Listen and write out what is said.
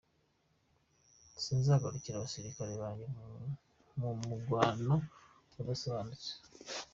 "Sinzorungika abasirikare banje mu ngwano idasobanutse.